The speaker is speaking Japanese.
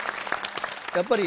やっぱり